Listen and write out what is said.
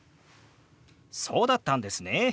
「そうだったんですね」。